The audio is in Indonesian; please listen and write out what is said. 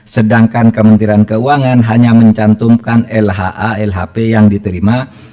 sedangkan kementerian keuangan hanya mencantumkan lha lhp yang diterima